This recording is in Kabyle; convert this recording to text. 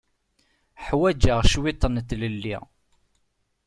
Ḥwaǧeɣ cwiṭ n tlelli.